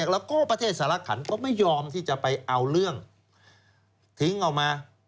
แล้วก็ประเทศสารขันก็ไม่ยอมที่จะไปเอาเรื่องทิ้งออกมา